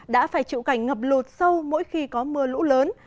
đã phải chịu cảnh ngập lụt sâu mỗi khi có mưa lũ lớn